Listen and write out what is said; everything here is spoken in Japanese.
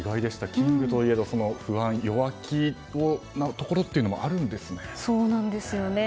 キングといえど不安弱気なところというのがそうなんですよね。